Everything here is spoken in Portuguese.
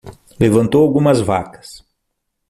Levantou algumas vacas